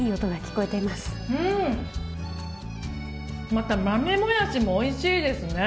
また豆もやしもおいしいですね。